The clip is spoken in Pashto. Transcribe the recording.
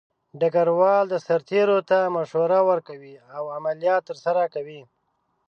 ډګروال د سرتیرو ته مشوره ورکوي او عملیات ترسره کوي.